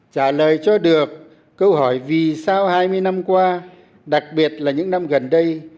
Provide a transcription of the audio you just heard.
trả lời cho được câu hỏi vì sau hai mươi năm qua đặc biệt là những năm gần đây